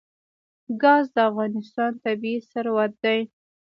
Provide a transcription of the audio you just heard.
ګاز د افغانستان طبعي ثروت دی.